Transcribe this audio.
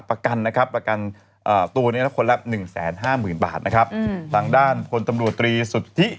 ตัวนี้ละคนละ๑แสน๕หมื่นบาทนะครับอืมต่างด้านคนตำรวจตรีสุทธิ